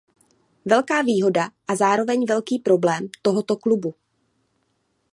Velká výhoda a zároveň velký problém tohoto klubu.